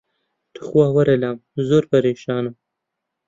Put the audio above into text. توخوا وەرە لام زۆر پەرێشانم